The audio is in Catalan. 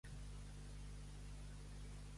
Voler el niu i la mareta.